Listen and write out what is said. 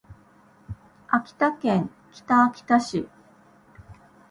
秋田県北秋田市